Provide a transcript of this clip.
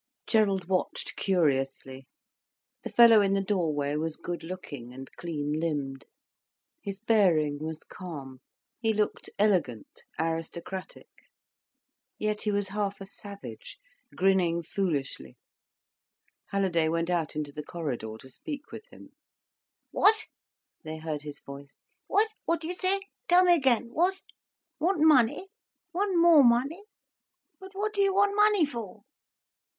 Gerald watched curiously. The fellow in the doorway was goodlooking and clean limbed, his bearing was calm, he looked elegant, aristocratic. Yet he was half a savage, grinning foolishly. Halliday went out into the corridor to speak with him. "What?" they heard his voice. "What? What do you say? Tell me again. What? Want money? Want more money? But what do you want money for?"